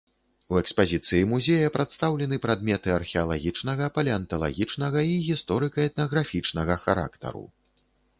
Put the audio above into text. У экспазіцыі музея прадстаўлены прадметы археалагічнага, палеанталагічнага і гісторыка- этнаграфічнага характару.